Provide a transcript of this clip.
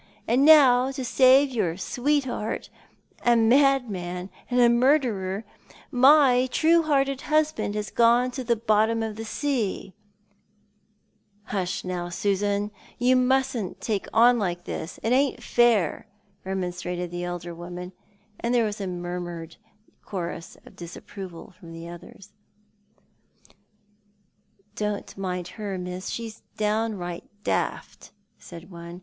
And now, to save your sweetheart — a madman and a murderer — my true hearted husband has gone to the bottom of the sea " "Hush, now, Susan, you mustn't take on like this — it ain't fair," remonstrated the elder woman, and there was a murmured chorus of disapproval from the others. " Don't mind her, Miss, she's right down daft," said one.